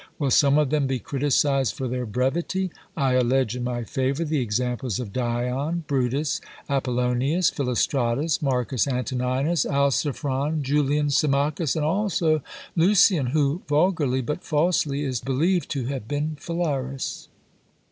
Will some of them be criticised for their brevity? I allege in my favour the examples of Dion, Brutus, Apollonius, Philostratus, Marcus Antoninus, Alciphron, Julian, Symmachus, and also Lucian, who vulgarly, but falsely, is believed to have been Phalaris.